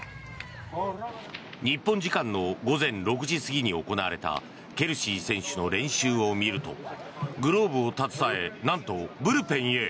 日本時間の午前６時過ぎに行われたケルシー選手の練習を見るとグローブを携えなんとブルペンへ。